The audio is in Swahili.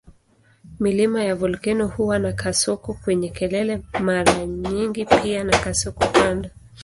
Milima ya volkeno huwa na kasoko kwenye kelele mara nyingi pia na kasoko kando.